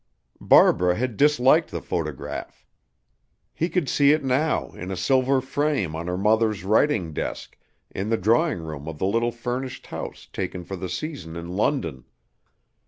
Barbara had disliked the photograph. He could see it now, in a silver frame on her mother's writing desk, in the drawing room of the little furnished house taken for the season in London.